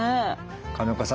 金岡さん